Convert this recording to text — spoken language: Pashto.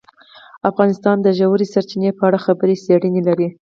افغانستان د ژورې سرچینې په اړه علمي څېړنې لري.